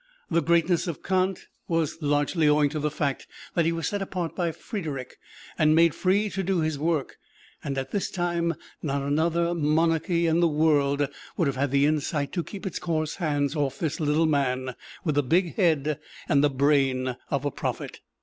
The greatness of Kant was largely owing to the fact that he was set apart by Frederick and made free to do his work; and at this time, not another monarchy in the world would have had the insight to keep its coarse hands off this little man with the big head and the brain of a prophet.